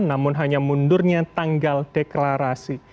namun hanya mundurnya tanggal deklarasi